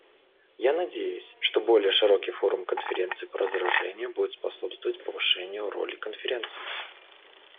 Я надеюсь, что более широкий форум Конференции по разоружению будет способствовать повышению роли Конференции.